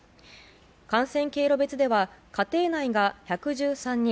感染経路別では家庭内が１１３人